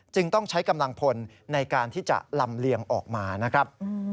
ต้องใช้กำลังพลในการที่จะลำเลียงออกมานะครับ